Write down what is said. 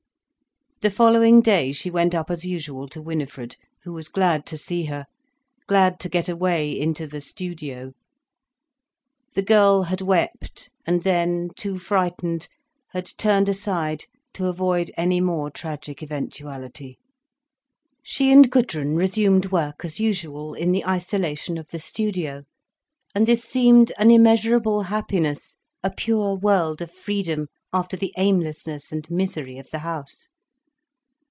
The following day she went up as usual to Winifred, who was glad to see her, glad to get away into the studio. The girl had wept, and then, too frightened, had turned aside to avoid any more tragic eventuality. She and Gudrun resumed work as usual, in the isolation of the studio, and this seemed an immeasurable happiness, a pure world of freedom, after the aimlessness and misery of the house.